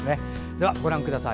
ではご覧ください。